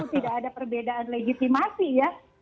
tidak ada perbedaan legitimasi ya